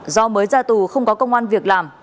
do mới ra tù không có công an việc làm